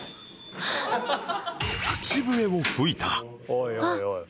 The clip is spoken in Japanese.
おいおいおい。